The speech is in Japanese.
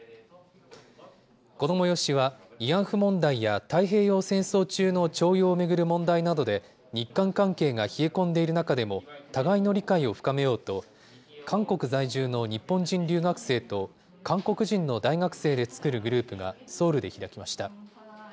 この催しは、慰安婦問題や太平洋戦争中の徴用を巡る問題などで、日韓関係が冷え込んでいる中でも、互いの理解を深めようと、韓国在住の日本人留学生と、韓国人の大学生で作るグループが、ソウルで開きました。